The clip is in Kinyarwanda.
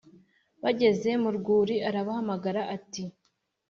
Bageze mu rwuri arabahamagara ati